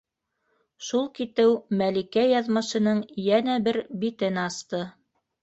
Шул китеү Мәликә яҙмышының йәнә бер битен асты.